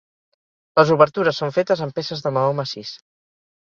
Les obertures són fetes amb peces de maó massís.